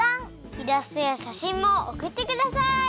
イラストやしゃしんもおくってください！